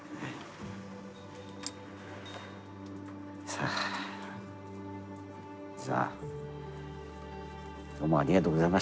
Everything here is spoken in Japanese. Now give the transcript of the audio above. さあじゃあどうもありがとうございました。